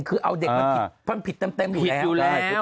คือเอาเด็กมันผิดเต็มอยู่แล้วผิดอยู่แล้ว